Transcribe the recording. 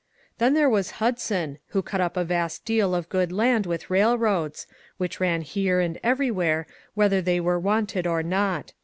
^' Then there was Hudson, who cut up a vast deal of good land with railroads — which ran here and everywhere, whether they wer^ wanted or not.